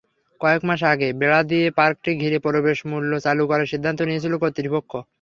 কয়েক মাস আগে বেড়া দিয়ে পার্কটি ঘিরে প্রবেশমূল্য চালু করার সিদ্ধান্ত নিয়েছিল কর্তৃপক্ষ।